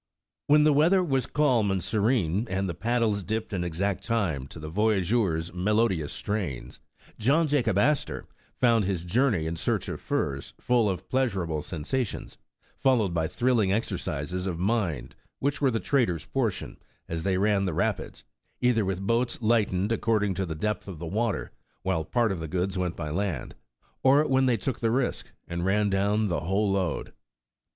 When the weather was calm and serene, and the pad dies dipped in exact time to the voyageur's melodious strains, John Jacob Astor found his journey in search of furs full of pleasureable sensations, followed by thrill ing exercises of mind which were the traders' portion, as they ran the rapids, either with boats lightened ac cording to the depth of the water — while part of the goods went by land — or when they took the risk and ran down the whole load.